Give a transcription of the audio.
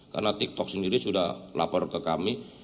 karena tiktok sendiri sudah lapor ke kami